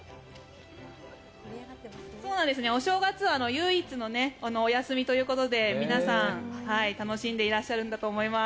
お正月は唯一のお休みということで皆さん、楽しんでいらっしゃるんだと思います。